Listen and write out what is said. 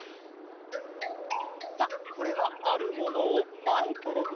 さあこれはあるものをまえからみたかげだ。